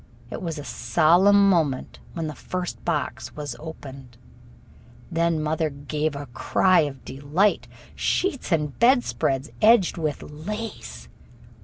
It was a solemn moment when the first box was opened. Then mother gave a cry of delight. Sheets and bedspreads edged with lace!